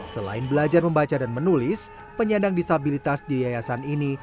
selain belajar membaca dan menulis penyandang disabilitas di yayasan ini